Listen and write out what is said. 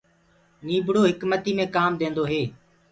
نيٚڀڙو هڪمتيٚ مي ڪآم دينٚدو هي